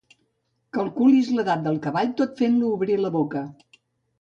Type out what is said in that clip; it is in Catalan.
Calculis l'edat del cavall tot fent-lo obrir la boca.